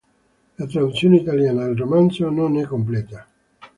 La traduzione italiana del romanzo non è completa.